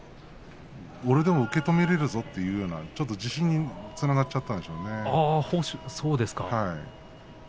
俺でも受け止められるぞというちょっと自信につながっちゃったんでしょうね。